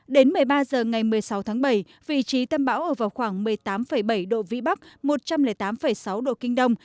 đến một mươi ba h ngày một mươi sáu tháng bảy vị trí tâm bão ở vào khoảng một mươi tám bảy độ vĩ bắc một trăm linh tám sáu độ kinh đông